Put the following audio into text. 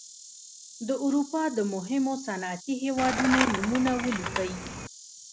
د اروپا د مهمو صنعتي هېوادونو نومونه ولیکئ.